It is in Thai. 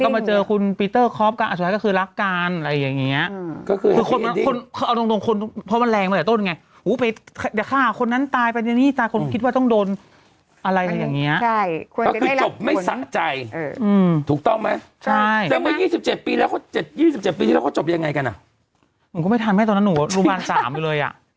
มันก็ไม่ทันไม่ให้ตอนนั้นหนูรุมวัน๓อยู่เลยอ่ะ